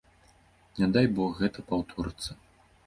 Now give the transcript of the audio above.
Не дай бог гэта паўторыцца.